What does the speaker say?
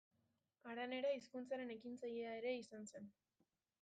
Aranera hizkuntzaren ekintzailea ere izan zen.